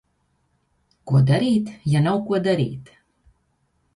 Ko darīt, ja nav, ko darīt?